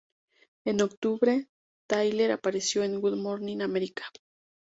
En octubre, Tyler apareció en Good Morning America.